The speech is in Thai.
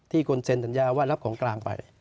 คนเซ็นสัญญาว่ารับของกลางไป